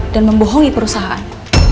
dan membohongi perusahaan